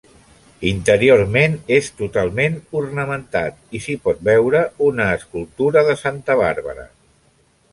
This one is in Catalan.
Interiorment és totalment ornamentat i s'hi pot veure una escultura de Santa Bàrbara.